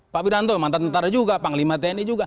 pak wiranto mantan tentara juga panglima tni juga